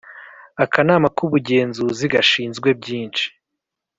Akanama k ‘Ubugenzuzi gashinzwe byishi.